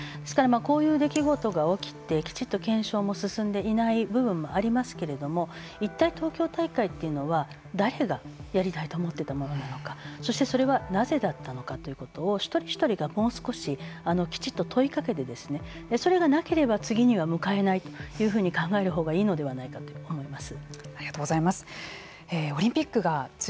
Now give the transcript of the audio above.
こういう出来事が起きてきちんと検証も進んでいない部分もありますけれども一体、東京大会というのは誰がやりたいと思っていたものなのかそして、それはなぜだったのかということを一人一人がもう少しきちんと問いかけてそれがなければ次には向かえないというふうに考えるほうがいいのではないかと思います。